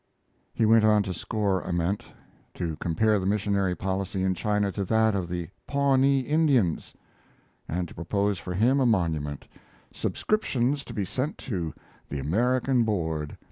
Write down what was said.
He went on to score Ament, to compare the missionary policy in China to that of the Pawnee Indians, and to propose for him a monument subscriptions to be sent to the American Board.